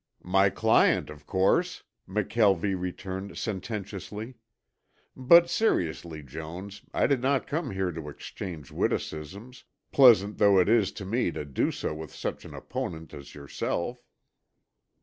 "My client, of course," McKelvie returned sententiously. "But, seriously, Jones, I did not come here to exchange witticisms, pleasant though it is to me to do so with such an opponent as yourself."